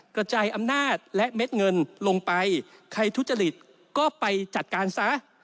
กระจายอำนาจและเม็ดเงินลงไปใครทุจริตก็ไปจัดการซะ